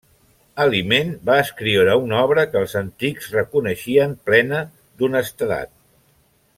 Aliment va escriure una obra que els antics reconeixien plena d'honestedat.